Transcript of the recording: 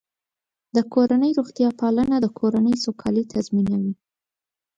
د کورنۍ روغتیا پالنه د کورنۍ سوکالي تضمینوي.